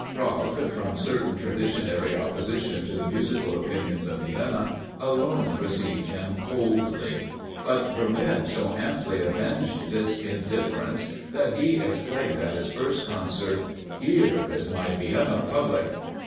Prague, from certain traditionary opposition to the musical opinions of Vienna, alone received him coldly; but Berlin so amply avenged this indifference, that he exclaimed at his first concert, "Here is my Vienna public!"